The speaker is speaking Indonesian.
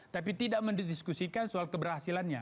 tapi tidak mendiskusikan soal keberhasilannya